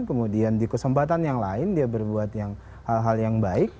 kemudian di kesempatan yang lain dia berbuat hal hal yang baik